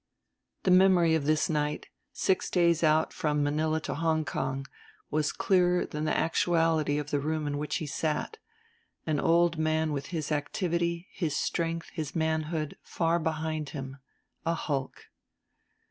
The memory of this night, six days out from Manilla to Hong Kong, was clearer than the actuality of the room in which he sat, an old man with his activity, his strength, his manhood, far behind him, a hulk.